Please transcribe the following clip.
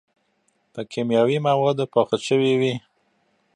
پۀ کيماوي موادو پاخۀ شوي وي